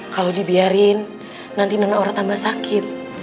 kalau dibiarin nanti nen aura tambah sakit